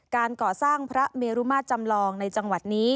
การก่อสร้างพระเมรุมาตรจำลองในจังหวัดนี้